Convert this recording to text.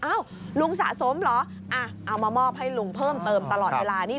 ลุงสะสมเหรอเอามามอบให้ลุงเพิ่มเติมตลอดเวลานี่